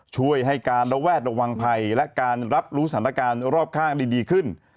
ช่วยให้การระแวดระวังภัยและการรับรู้สถานการณ์รอบข้างได้ดีขึ้น